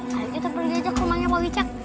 hari itu kita pergi aja ke rumahnya pak wicak